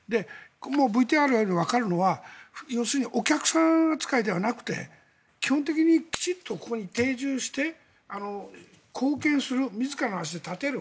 ＶＴＲでわかるのは要するにお客さん扱いではなくて基本的にきちんとここに定住して貢献する、自らの足で立てる。